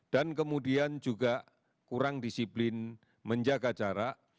dan kemudian juga kurang disiplin menjaga jarak